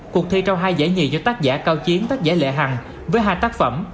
cuộc thi trao hai giải nhì do tác giả cao chiến tác giải lệ hằng với hai tác phẩm